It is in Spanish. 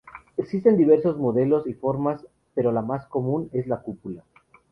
Existen diversos modelos y formas, pero la más común es la cúpula.